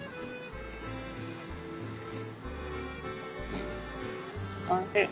うんおいしい。